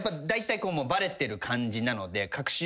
だいたいバレてる感じなので。